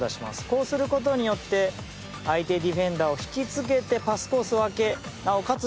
こうすることによって相手ディフェンダーを引き付けてパスコースを空けてなおかつ